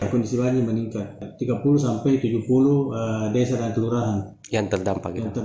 kondisi lain meningkat tiga puluh sampai tujuh puluh desa dan kelurahan yang terdampak itu